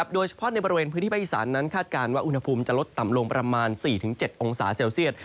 โดยเฉพาะในบริเวณพื้นที่ภาคอีสานนั้นคาดการณ์ว่าอุณหภูมิจะลดต่ำลงประมาณ๔๗องศาเซลเซียต